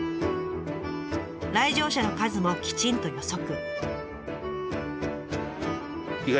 来場者の数もきちんと予測。